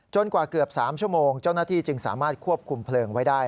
กว่าเกือบ๓ชั่วโมงเจ้าหน้าที่จึงสามารถควบคุมเพลิงไว้ได้